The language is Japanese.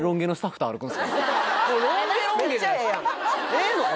ええのか？